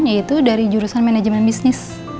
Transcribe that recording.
yaitu dari jurusan manajemen bisnis